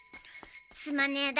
すまねえだ。